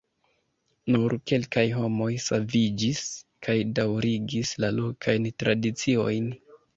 Nur kelkaj homoj saviĝis, kaj daŭrigis la lokajn tradiciojn.